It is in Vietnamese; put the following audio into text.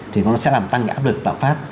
thì nó sẽ làm tăng cái áp lực lạm phát